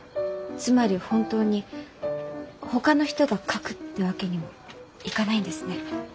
つまり本当にほかの人が描くってわけにもいかないんですね。